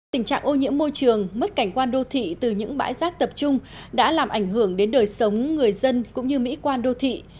tình trạng ô nhiễm môi trường mất cảnh quan đô thị từ những bãi rác tập trung đã làm ảnh hưởng đến đời sống người dân cũng như mỹ quan đô thị